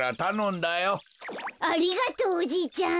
ありがとうおじいちゃん。